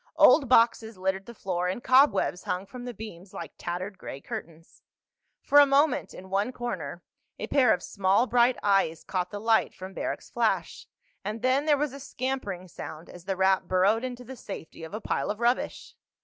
Old boxes littered the floor and cobwebs hung from the beams like tattered gray curtains. For a moment, in one corner, a pair of small bright eyes caught the light from Barrack's flash, and then there was a scampering sound as the rat burrowed into the safety of a pile of rubbish.